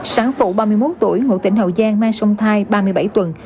sản phụ ba mươi bốn tuổi ngụ tỉnh hậu giang mang xong thai ba mươi bảy tuần